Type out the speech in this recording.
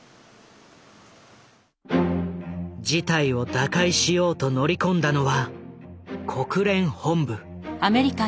事態を打開しようと乗り込んだのは国連本部。